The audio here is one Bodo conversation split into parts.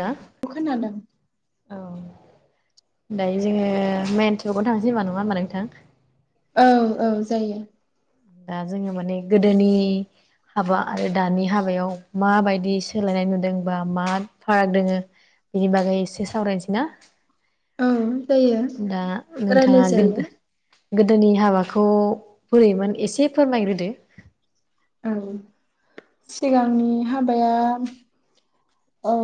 दा खोनादों औ। दायो जोङो मेन टपिकावनो थांनोसै होमबा नङा होनबा नोंथां? औ औ जायो। दा जोङो माने गोदोनि हाबा आरो दानि हाबायाव माबायदि सोलायनाय नुदों बा मा फाराग दोङो बिनि बागै एसे सावरायनोसै ना औ जायो दा रायलाय नोंथाङा जायो गोदो गो गोदोनि हाबाखौ बोरैमोन एसे फोरमायग्रोदो। औ सिगांनि हाबाया औ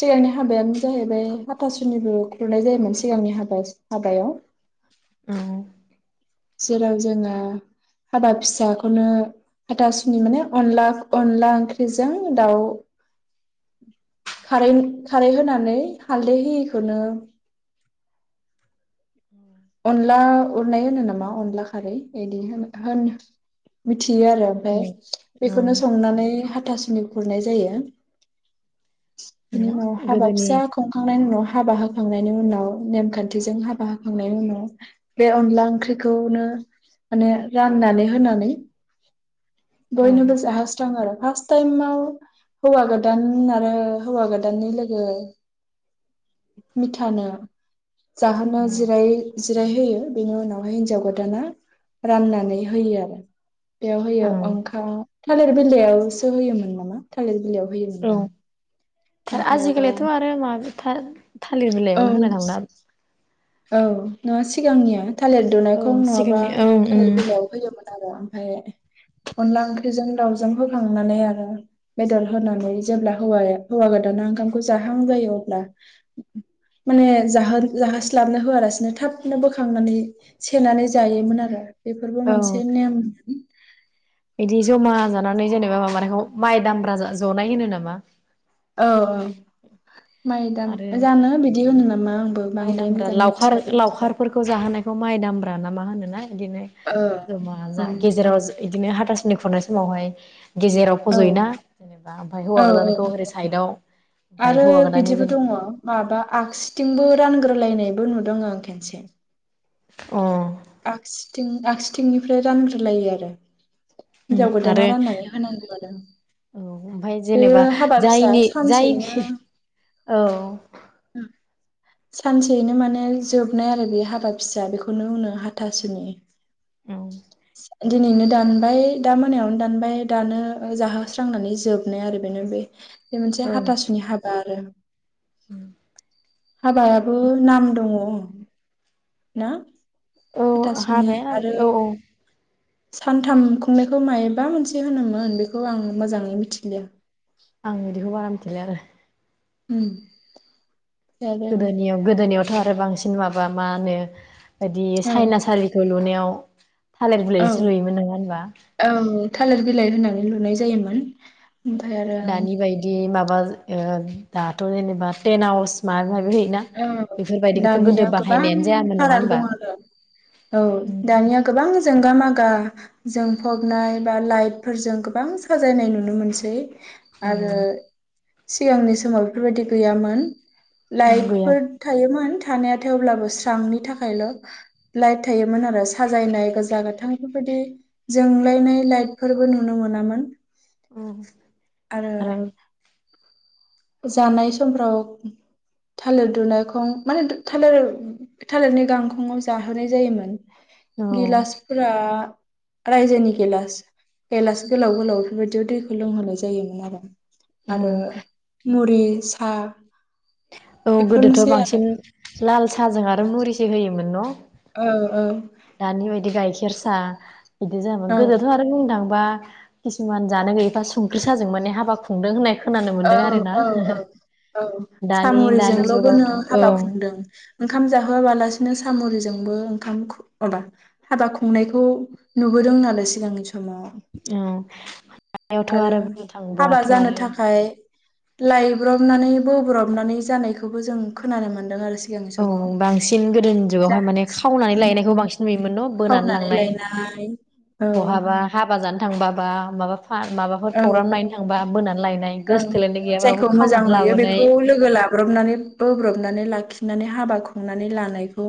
सिगांनि हाबायानो जाहैबाय हाथासुनिबो खुरनाय जायोमोन सिगांनि हाबा हाबायाव। ओम। जेराव जोङो हाबा फिसाखौनो हाथासुनि माने अनला अनला ओंख्रिजों दाउ खारै खारै होनानै हालदै होयिखौनो अनला उरनाय होनो नामा अनला खारै इदि होनो होन मिथियो आरो ओमफाय औ बेखौनो संनानै हा थासुनि खुरनाय जायो। बिनि औ उनाव हाबा गोदोनि फिसा खुंखांनायनि उनाव हाबा होखांनायनि उनाव नेमखान्थिजों हाबा होखां नाय उनाव बे अनला ओंख्रिखौनो मने राननानै होनानै औ बयनोबो जाहोस्राङो आरो फास्थ टाइमाव हौवा गोदान आरो हौवा गोदाननि लोगो मिथानो जाहोनो औ जिराय जिराय होयो बेनि उनावहाय हिनजाव गोदाना राननानै होयो आरो बेयाव औ होयो ओंखाम थालिर बिलाइयावसो होयोमोन नामा थालिर बिलाइयाव औ होयोमोनदां आजिखालिथ आरो माब थ थालिर औ बिलाइयावनो होनो थांला औ नङा सिगांनिया थालिर औ दुनायखौ नङाबा सिगांनि औ उम थालिर बिलाइयाव होयोमोन। ओमफ्राय अनला ओंख्रिजों दाउजों होखांनानै आरो बेदर होनानै जेब्ला हौवाया हौवा गोदाना ओंखामखौ जाहां जायो अब्ला माने जाहो जा स्लाबनो होआलासिनो थाबनो बोखांनानै सेनानै जायोमोन आरो। बेफोरबो औ मोनसे नेम बि जमा जानानै जेनेबा माबानायखौ माइ दामब्रा जनाय होनो नामा? औ औ माइ दाम जानो बिदि होनो नामा? आंबो बांद्राय माइदाम मोजां लावखार मिथिया बेखौ लावखारफोरखौ जाहोनाय माइ दामब्रा ना मा होनोना। बिदिनो जमा औ जा गेजेराव बिदिनो हाथ हाथासुनि खुरनाय समावहाय गेजेराव औ फज'योना जेनेबा ओमफ्राय औ हौवा गोदानखौ औ ओरै साइदाव ओमफ्राय आरो हौवा गोदाननि ओंखामबो रानग्रोलायनायबो नुदों आं खेनसे। अ आखसिथिं आगसिथिंनिफ्राय रानग्रोलायो आरो। हिनजाव गोदाना आरो राननानै होनांगौ आरो। ओमफफ्राय बे जेनेबा हाबा फिसा जायनि सानसेयैनो जायनि औ। [unintelligible] सानसेयैनो माने जोबनाय आरो बे हाबा फिसा बेखौनो होनो हाथासोनि। औ दिनैनो दानबाय दा मोनायावनो दानबाय दानो जाहोस्रांनानै जोबनाय आरो बेनो बे। बे मोनसे हाथासुनि हाबा। ए उ हाबायाबो नाम दङ ना औ हाथासुनि हाबाया आरो औ औ सानथाम खुंनायखौ मायबा मोनसे होनोमोन बेखौ आं मोजाङै मिथिलिया। आं बिदिखौ बारा मिथिया। बि आरो। उम। आरो गोदोनियाव गोदोनियाव। थ' आरो बांसिन माबा मा होनो। बायदि औ सायनासालिखौ लुनायाव। औ थालिर औ बिलायसो नुयोमोन नङा होनबा। औ थालिर बिलाइ होनानै लुनाय जायोमोन। ओमफ्राय आरो दानि बायदि माबा। ओ दाथ' जेनेबा टेनहाउस माबा माबि। होयोना औ बेफोरबायदिखौथ' गोदो दानिया गोबां बाहायनायानो जायामोन नङा फाराग होनबा दं आरो औ दानिया गोबां जोंगा मागा। [unintelligible] जोंफबनाय बा लाइटफोरजों गोबां साजायनाय नुनो मोनसै। आरो। सिगांनि समाव बेफोरबायदि गैयामोन। औ लाइट। गैया फोर थायोमोन। थानायाथाय अब्लाबो स्रांनि थाखायल' लाइट थायोमोन आरो साजायनाय गोजा गोथां बेफोरबायदि जोंलायनाय लाइटफोरबो नुनो मोनामोन। ओं आरो आं। जानाय समफ्राव थालिर दुनायखं माहोनो थालिर थालिरनि गांखंआव जाहोनाय जायोमोन। औ गिलासफोरा। रायजोनि गेलास गेलास गोलाव गोलाव बेफोरबायदियाव दैखौ लोंहोनाय जायोमोन आरो। औ आरो। मुरै, सा। औ गोदोथ' बांसिन लाल साहाजों आरो। [unintelligible] मुरिसो होयोमोन न'? औ-औ। दानि बायदि गाइखेर सा। बिदि जायामोन औ गोदोथ' आरो बुंनो थांबा। माबा खिसुमान जानो गैयैफ्रा संख्रि साजों मानि हाबा खुंदों होननाय। खोनानो मोन्दों आरो ना औ-औ-औ-औ दानि दानि सामुरिजोंलबोनो जुगावथ' औ हाबा खुंदों। ओंखाम जाहोआबालासिनो सामुरिजों। जोंबो ओंखामखौ माबा हाबा खुंनायखौ नुबोदों नालाय सिगांनि समाव। औ। दायावथ' आरो बुंनो हाबा थांबाथ' जानो आरो थाखाय लायब्रबनानै बोब्रबनानै जानायखौबो जों खोनानो मोन्दों आरो सिगांनि औ समाव बांसिन गोदोनि जा जुगावहाय माने खावनानै लायनायखौ उम बांसिन नुयोमोन न' बोनानै खावनानै लांनाय। लायनाय औ बहाबा हाबा जानो थांबाबा माबा फा माबाफोर प्रग्राम ओं नायनो थांबा बोनानै लायनाय ओं। गोसथोलायनाय गैयाबाबो जायखौ मोजां खावनानै नुयो लाबोनाय बेखौ लोगो लाब्रबनानै बोब्रबनानै लाखि नानै हाबा खुंनानै लानायखौ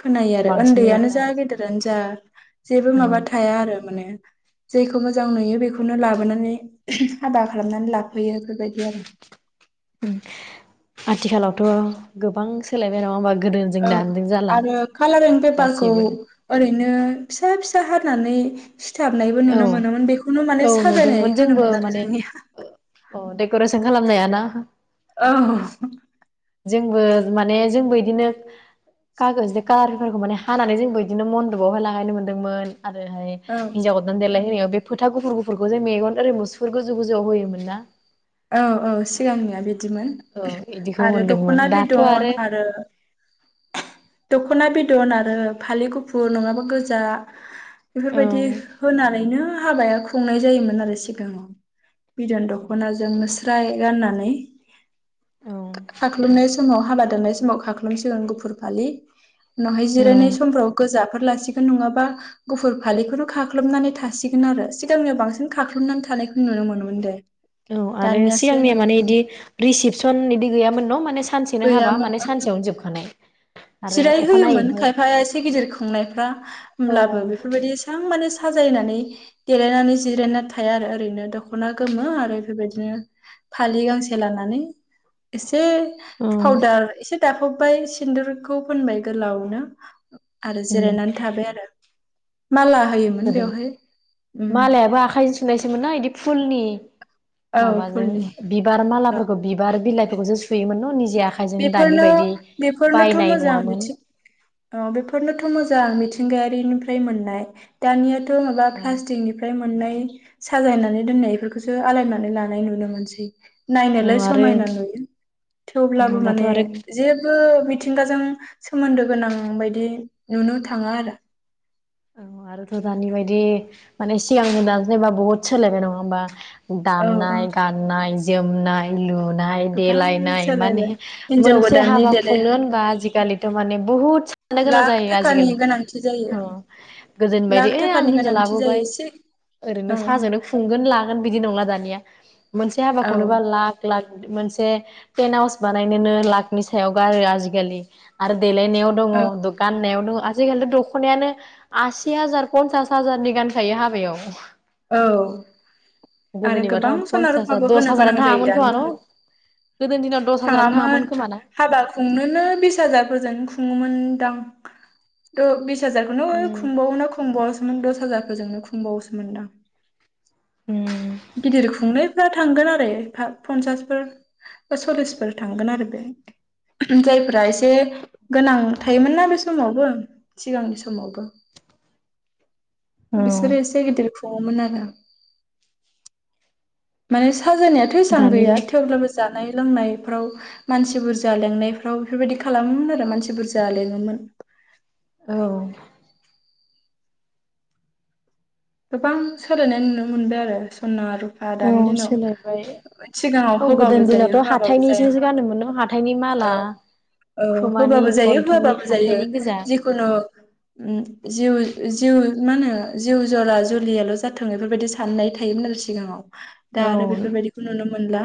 खोनायो आरो बांसिन नुयोमोन उन्दैयानो जा गेदेरानो जा। जेबो आरो माबा थाया आरो। माने जेखौ मोजां नुयो बेखौनो ला बोनानै हाबा खालामनानै ला उम आथिखालाव थ' गोबां सोलायबाय नङा होनबा? औ आरो कालारिं पेपारखौ गासिबो ओरैनो फिसा फिसा हानानै सिथाबनायबो औ नुनो मोनोमोन बेखौनो माने औ साजायनाय नुदोंमोन जोंबो होनोमोन आरो माने जोंनिया। अ डेक'रेसन खालामनायाना? औ। जोंबो माने जोंबो इदिनो कागज बे कालारफोरखौ माने हानानै जोंबो इदिनो मन्दपआवहाय लागायनो मोन्दोंमोन। आरोहाय औ देलाय होनायाव बे फोथा गुफुर गुफुरखौ जे मेगन ओरै मुसुुर गोजौ गोजौआव होयोमोन ना? औ औ सिगांनिया बिद दिमोन औ इदिखौ आरो मोनदोंमोन दख'ना दाथ' बिदन आरो दख'ना बिद दन आरो फालि गुफुर नङाबा गोजा औ बेफोरबायदि होनानैनो हाबाया खुंनाय जायोमोन आरो सिगाङाव। बिदन दखनाज स्राय गाननानै औ खाख्लुमनाय समाव हाबा दाननाय समाव खाख्लोमसिगोन गुफुर फालि उनावहाय जिरायनाय औ समफ्राव गोजा फोर लासिगोन नङाबा गुफुर फालिखौनो खाख्लबनानै थासिगोन आरो सिगांनिया बांसिन खाख्लबनानै थानायखौ नुनो मोनोमोन दे। औ आरो दानियासो सिगांनिया नुनो माने इदि मोनला रिसिपसन बिदि गैयामोन न' माने सानसे नो हाबा गैयामोन माने औ सानसेयावनो जोबखानाय। आरो जिराय होयोमोन अखानायैहाय खायफाया एसे गिदिर खुंनायफ्रा औ होमब्लाबो बेफोरबायदि एसेयां माने साजायनानै देलायनानै जिरायना थाया आरो ओरैनो दख'ना गोमो आरो बेबायदिनो फालि गांसे लानानै एसे दो औ पाउदार एसे दाफब फाय सिन्दुर खौ फोनबाय गोलावनो। आरो उम जिरायनानै थाबाय आरो। माला होयोमोन गोदो बेवहाय। नायसोमोन ना इदि फुलनि औ माबाजों फुलनि बिबार औ मालाफोरखौ बिबार बिलाइफोरखौसो सुयोमोन न'? निजे आखाइजों दानि बेफोरनो बायदि बेफोरनोथ' बायनाय मोजां नङामोन बिथिं औ बेफोरनोथ' मोजां जां मिथिंगायारिनिफ्राय मोननाय दानिया थ माबा औ फ्लास्तिक निफ्राय मोन मोननाय साजायनानै दोननायफोरखौसो आलायनानै लानाय नुनो मोनसै। नायनोलाय आरो समायना नुयो थेव ब्लाबो दाथ' माने आरो जेबो मिथिंगाजों सोमोन्दो गोनां बायदि नुनो थाङा आरो। औ आरोथ' दानि बायदि माने सिगांनो दा जेनेबा बहुद सोलायबाय नङा होमबा? औ औ दामनाय गाननाय। जोमनाय लुन नाय गोबां देलायनाय माने, सोलायबाय हिनजाव मोनसे गोदाननि हाबा खुंनो देलायहो होनबा आजिखालिथ' माने बुहुत साननो गोनां लाख जायो थाखानि आजिखालि। गोनांथि जायो गोदोनि लाख बायदि ओइ आं थाखानि हिनजाव गोनांथि जायो लाबोबाय एसे औ ओरैनो साहाजोंनो खुंगोन लागोन बिदि नंला दानिया। मोनसे औ हाबाखौनोबा लाख लाख। मोनसे तेन हाउस बानायनोनो लाखनि सायाव गारो आजिखालि आरो। देलायनायाव दङ औ द गाननायाव दङ आज जोबे दख'नायानो आसि हाजार पन्सास हाजारनि गानखायो हाबायाव। औ आरो गोदोनिबाथ' गोबां सना पन्सास हाजार रुफाबो दस होनो हाजारानो गोनां जायो थाङामोन खोमा दानि न' दिनाव, गोदोनि दिनाव दस हाजारानो थाङामोन खोमा ना हाबा खुंनोनो बिस हाजारफोरजों खुङोमोन दां। द बे बिस हाजारखौनो उम खुंबावा खबावासोमोन दस जारफोरजोंनो खुंबावोसो मोनदां? [inaudible] उम गिदिर खुंनो थांगोन आरो फनसासफोर बा सललिसफोर थांगोन आरो, बे जायफोरा एसे गोनां थायोमोन ना बे, समावबो सिगांनि समावबो। औ बिसोरो इसे गेदेर खु खङोमोनारो माने साजानायाथ' एसां दानि गैया बायदि थेवब्लाबो जानाय लोंनायफ्राव मानसि बुरजा लेंनायफ्राव बेफोरबायदि खालामोमोन आरो मानसि बुरजा लेङोमोन औ गोबां सोलायनाय नुनो मोनबाय आरो सना रुफा औ दानि दिनाव सोलायबाय सिगाङाव औ होबाबो गोदोनि जायो दिनावथ' होआबाबो जायो हाथाइनिसो गानोमोन न' हाथाइनि ओ माला औ खोमानि होबाबो जायो गन्थंनि होआबाबो जायो हाथाइनि गोजा जिखुनु जिउ जिउ मा होनो जिउ जरा जुलियाल' जाथों बेफोरबायदि साननाय थायोमोन आरो सिगाङाव दा औ आरो बेफोरबायदिखौ नुनो मोनला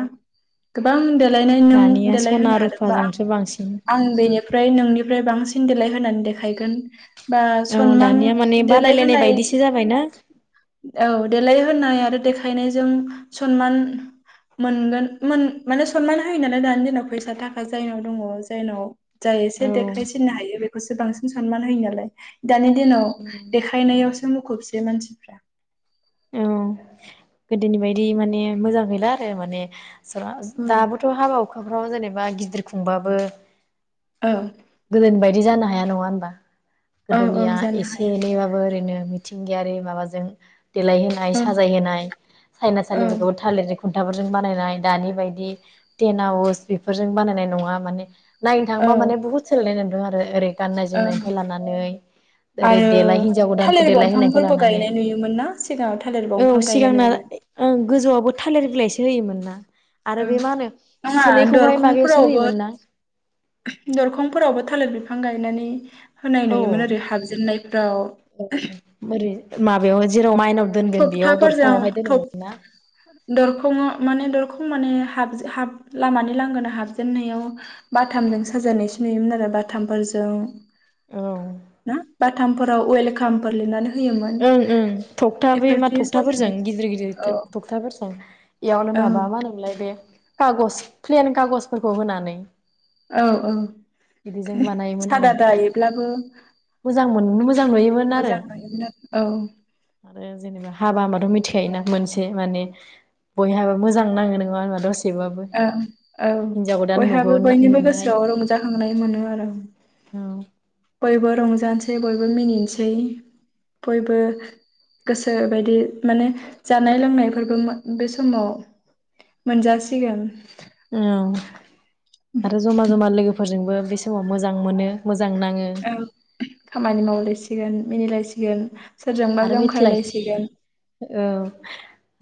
गोबां द देलायनो नों दानिया देलाय सना होनो हादोंबा रुफाजोंसो बांसिन आं बेनिफ्राय नोंनिफ्राय बां सिन देलााय होनानै देखायगोन बा औ सनमान दानिया माने बादायलायनाय देलायहोनाय बायदिसो जाबायना औ देलाय होननाय आरो देखायनायजों सनमान मोनगोन मोन माने सनमान होयो नालाय दानि दिनाव फैसा थाखा जायनाव दङ जायनाव जाय एसे औ देखायसिननो हायो बेखौसो बांसिन सनमान होयो नालाय दानि दिनाव देखायनायावसो मुखुब मानसिफ्रा औ गोदोनि बायदि माने मोजां गैला आरो माने जरा औ दाबोथ' हाबा हुखाफ्राव जेनेबा गि दिर खुंबाबो गोदो बायदि जानो हा हाया नङा होनबा औ औ गोदोनिया जानो एसे हायो एनैबाबो ओरैनो मिथिंगायारि माबाजों देलायहोनाय औ साजाय होनाय औ साइनासाालिफोरखौबो थालिरजों खुन्थाफोरजों बानायनाय दानि बायदि टेन आवार्स बेफोरजों बानायनाय नङा माने नायनो थांब औ मान बहुद सोलायनाय दो आरो ओरै गाननाय औ जोमनायनिफ्राय लानानै ओरै आरो देलाय हिनजाव गोदानखौ थालिर देलायहोनायनिफ्राय दंफांफोरबो लानानै गायनाय नुयोमोन ना सिगाङाव थालिर औ दंफां गायनाय सिगांना नुयोमोन ओं गोजौवआवबो थालिर बिलाइसो सो होयोमोन ना आरो ओ बे मा होनो नङा सुनैखौहाय माबायावसो दरखफोरावबो होयोमोन ना दरखंफोरावबो थालिर बि फां गायनानै होनाय नुयोमोन औ ओरै हाबजेननायफ्राव औ ओरै माबायाव जेराव माइनाव दोनगोन बेयाव दरफाङावहाय दोनो मोन ना? दरखं माने दरखं माने हाबजे हाब लामानि लांगोना हाबजेननायाव बाथामजों साजायनायसो नुयोमोन आरो बाथामफोरजों औ ना? बाथामफोराव वेलकाम बोर लिरनानै होयोमोन। ओं ओं थखथा मा बेफोरदि थखथाफोरजों साजायनाय गिदिर गिदिर औ थखथाफोरजों बेयावनो औ माबा मा होनो मोनलाय? खागज प्लेन खागजफोरखौ होनानै औ औ बिदिजों बानायोमोन आरो सादा दायोब्लाबो मोजां मोन मोजां नुयोमोन आरो मोजां नुयोमोन आरो। औ। आरो जेनेबा हाबा होनबाथ' मिथिखायोना मोनसे माने बयहाबा मोजां नाङो नङा आं दसे ओ औ बयहाबो नुगोन बयनिबो नुनाय गोसोआव रंजाखांनाय मोनो आरो औ बयबो रंज जानोसै बयबो मिनिनोसै बयबो गोसो बायदि माने जानाय लोंनायफोरबो बे समाव मोनजा सिगोन। औ। आरो जमा जमा लोगोफोरजोंबो बे समाव मोजां मोनो मोज औ खामानि मावलायसि सिगोन मिनिलायसिगोन सोरजोंबा आरो मिथिलाय जंखायलायसिगोन। औ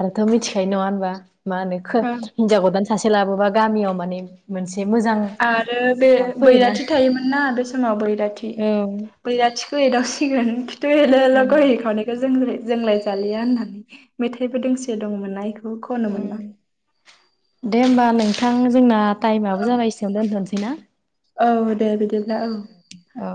आरोथ' मिथिखायो नङा होनबा? मा होनो खो ओं हिनजाव गोदान स सासे लाबोबा गामियाव माने मोनसे मोजां आरो बे फैयोना बैराथि थायोमोन ना बे समाव बैराथि औ बैराथिखौ एदावसि सिगोन खिथु एल' एल' गय खावनायखौ जों जोंलाय जालिया होननानै। मेथाइबो दोंसे दंमोन्ना इखौ खनोमोन्ना। उम थां जोंना टाइम आबो जाबाय एसेयावनो दोनथ'नोसैना? औ दे बिदिब औ।